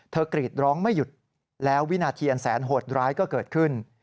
กรีดร้องไม่หยุดแล้ววินาทีแสนโหดร้ายก็เกิดขึ้น